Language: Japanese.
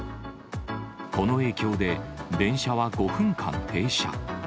この影響で、電車は５分間停車。